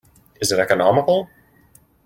Is it economical?